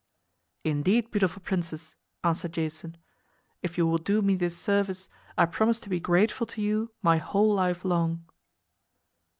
"Indeed, beautiful princess," answered Jason, "if you will do me this service I promise to be grateful to you my whole life long."